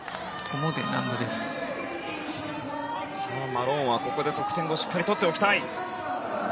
マローンはここで得点をしっかり取っておきたい。